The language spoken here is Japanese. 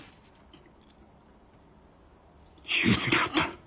許せなかった。